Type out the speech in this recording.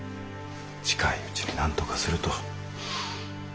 近いうちになんとかすると。